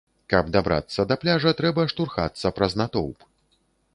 Каб дабрацца да пляжа, трэба штурхацца праз натоўп.